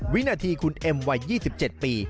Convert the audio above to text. วินาทีคุณเอ็มวัย๒๗ปี